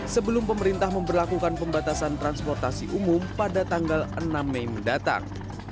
sebelum pemerintah memperlakukan pembatasan transportasi umum pada tanggal enam mei mendatang